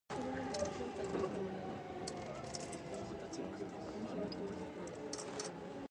His classmates at Williams included, James A. Garfield, James Gilfillan and John James Ingalls.